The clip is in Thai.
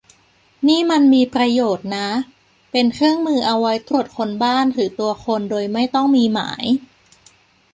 นี่มันมีประโยชน์นะ - เป็นเครื่องมือเอาไว้ตรวจค้นบ้านหรือตัวคนโดยไม่ต้องมีหมาย